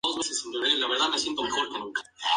Jorge Aguirre